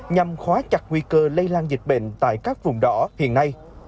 nhằm khóa chặt nguy cơ lây lan dịch bệnh tại các vùng đỏ hiện nay